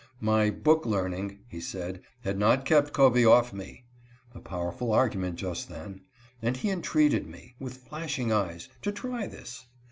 "My book learning," he said, "had not kept Covey off me" (a powerful argument just then), and he entreated me, with flashing eyes, to try this.